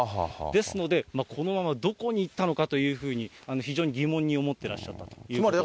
ですので、このままどこに行ったのかというふうに、非常に疑問に思ってらっしゃったということです。